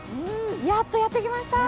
やっとやってきました！